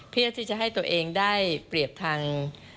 เพื่อที่จะให้ตัวเองได้เปรียบทาง